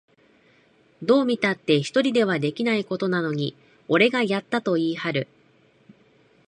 どう見たって一人ではできないことなのに、俺がやったと言いはる